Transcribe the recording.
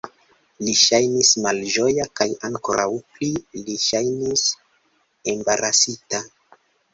Li ŝajnis malĝoja kaj ankoraŭ pli li ŝajnis embarasita.